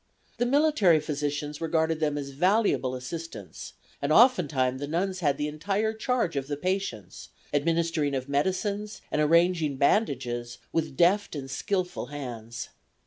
The military physicians regarded them as valuable assistants, and oftentimes the nuns had the entire charge of the patients, administering of medicines and arranging bandages with deft and skillful hands.